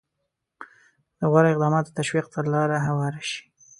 د غوره اقداماتو تشویق ته لاره هواره شي.